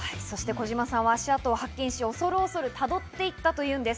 小島さんは足跡を発見し、恐る恐るたどっていったというんです。